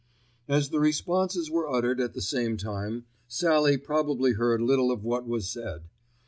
As the responses were uttered at the same time, Sallie probably heard little of what was said.